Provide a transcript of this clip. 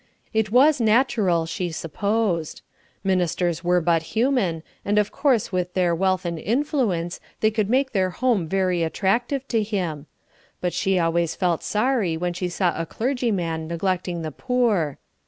It was natural, she supposed. Ministers were but human, and of course with their wealth and influence they could make their home very attractive to him; but she always felt sorry when she saw a clergyman neglecting the poor.